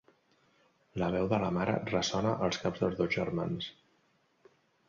La veu de la mare ressona als caps dels dos germans.